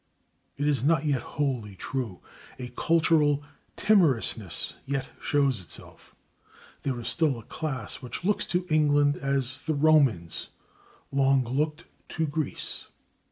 It is not yet wholly true; a cultural timorousness yet shows itself; there is still a class which looks to England as the Romans long looked to Greece.